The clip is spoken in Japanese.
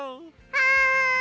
はい！